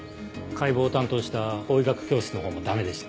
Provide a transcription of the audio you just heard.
解剖を担当した法医学教室のほうもダメでした。